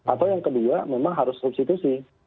atau yang kedua memang harus substitusi